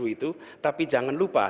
tujuh puluh itu tapi jangan lupa